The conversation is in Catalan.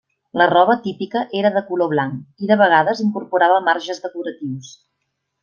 La roba típica era de color blanc, i de vegades incorporava marges decoratius.